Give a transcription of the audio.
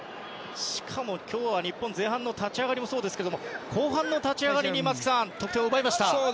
しかも今日、日本は前半の立ち上がりもそうでしたが後半の立ち上がりに松木さん得点を奪いました。